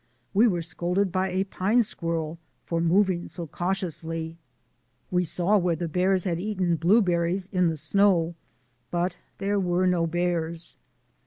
We were scolded by a pine squirrel for moving so cautiously. We saw where the bears had eaten blueberries in the snow; but there were no bears.